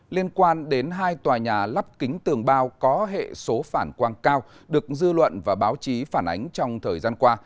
liên quan đến hai tòa nhà lắp kính tường bao có hệ số phản quang cao được dư luận và báo chí phản ánh trong thời gian qua